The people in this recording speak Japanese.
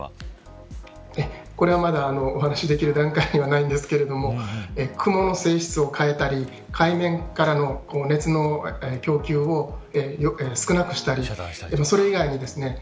これはまだ、お話できる段階ではないんですけど雲の性質を変えたり海面からの熱の供給を少なくしたりそれ以外にですね